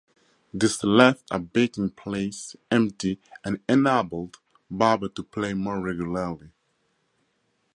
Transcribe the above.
This left a batting place empty and enabled Barber to play more regularly.